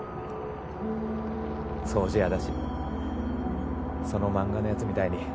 掃除屋だしその漫画のやつみたいに